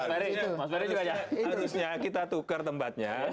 harusnya kita tukar tempatnya